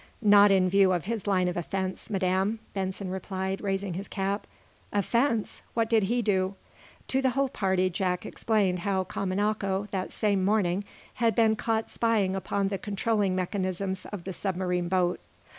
"Not in view of his line of offense, madame," Benson replied, raising his cap. "Offense? What did he do?" To the whole party Jack explained how Kamanako, that same morning, had been caught spying upon the controlling mechanisms of the submarine boat.